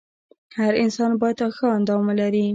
هر انسان باید ښه اندام ولري .